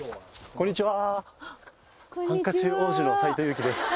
こんにちは。